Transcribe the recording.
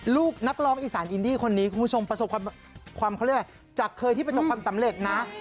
ลูกนักร้องอีสานอินดี้คนนี้คุณผู้ชมประสบความเขาเรียกอะไรจากเคยที่ประสบความสำเร็จนะ